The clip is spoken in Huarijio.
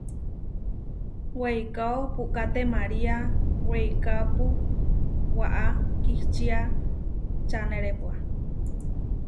Weikáo puʼká temariá weikápu, waʼá kihčía čanerepua.